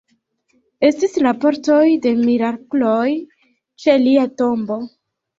Estis raportoj de mirakloj ĉe lia tombo.